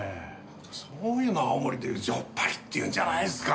そういうのを青森で言う「じょっぱり」って言うんじゃないですか。